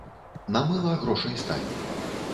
На мыла грошай стане.